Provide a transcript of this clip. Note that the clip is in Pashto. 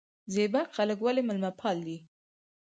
زیباک خلک ولې میلمه پال دي؟